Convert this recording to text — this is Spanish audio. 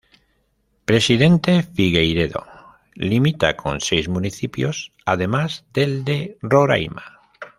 Presidente Figueiredo limita con seis municipios, además del de Roraima.